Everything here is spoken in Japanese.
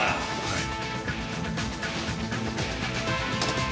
はい。